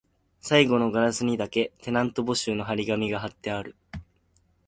最後のガラスにだけ、テナント募集の張り紙が張ってある